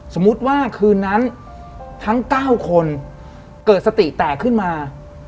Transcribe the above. สมมุติว่าคืนนั้นทั้ง๙คนเกิดสติแตกขึ้นมา